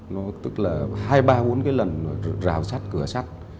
nó tức là hai ba bốn cái lần rào sát cửa sát